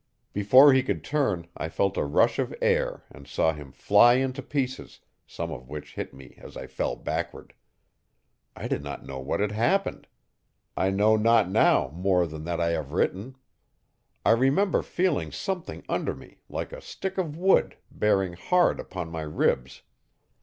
Before he could turn I felt a rush of air and saw him fly into pieces, some of which hit me as I fell backward. I did not know what had happened; I know not now more than that I have written. I remember feeling something under me, like a stick of wood, bearing hard upon my ribs.